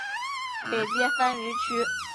北接番禺区。